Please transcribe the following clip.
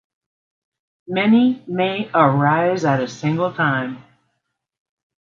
Many may arise at a single time.